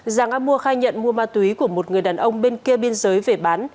giàng a mua khai nhận mua ma túy của một người đàn ông bên kia biên giới về bán